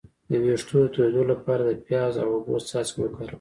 د ویښتو د تویدو لپاره د پیاز او اوبو څاڅکي وکاروئ